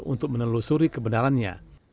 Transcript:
untuk menelusuri kebenarannya